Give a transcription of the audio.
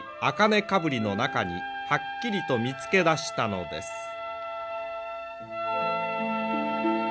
茜かぶりの中にはっきりと見つけ出したのです。